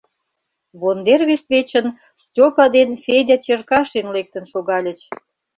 Вондер вес вечын Стёпа ден Федя Черкашин лектын шогальыч.